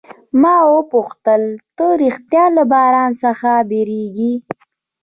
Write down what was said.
ما وپوښتل، ته ریښتیا له باران څخه بیریږې؟